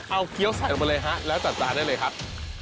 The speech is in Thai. เอาเคี้ยวใส่ออกมาเลยฮะแล้วจัดจานได้เลยครับ